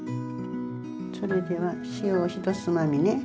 それでは塩を１つまみね。